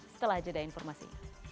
setelah jeda informasi